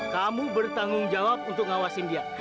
kamu bertanggung jawab untuk ngawasin dia